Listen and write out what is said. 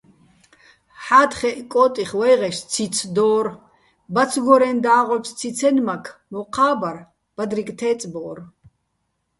ჰ̦ა́თხეჸ კო́ტიხ ვა́ჲღეშ ციც დო́რ, ბაცგორეჼ და́ღოჩ ციცენმაქ მოჴა́ ბარ, ბადრიგო̆ თე́წბორ.